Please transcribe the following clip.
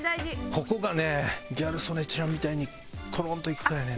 ここがねギャル曽根ちゃんみたいにコロンといくかやねんな。